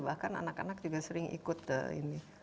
bahkan anak anak juga sering ikut ini